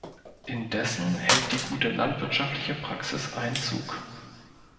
Indessen hält die gute landwirtschaftliche Praxis Einzug.